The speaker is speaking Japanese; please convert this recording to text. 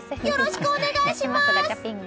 よろしくお願いします！